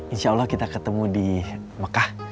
insya allah kita ketemu di mekah